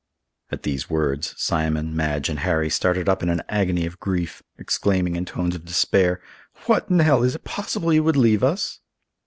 At these words, Simon, Madge, and Harry started up in an agony of grief, exclaiming in tones of despair, "What, Nell! is it possible you would leave us?"